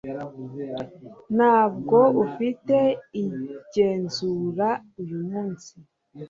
Ntabwo ufite igenzura uyu munsi?